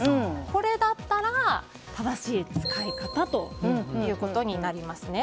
これだったら正しい使い方ということになりますね。